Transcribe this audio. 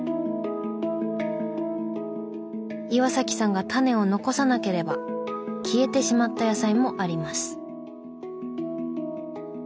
岩さんがタネを残さなければ消えてしまった野菜もあります。